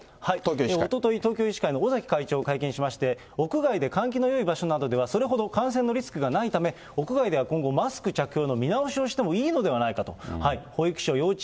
おととい、東京医師会の尾崎会長が会見しまして、屋外で換気のよい場所などでは、それほど感染のリスクがないため、屋外では今後、マスク着用の見直しをしてもいいのではないかと。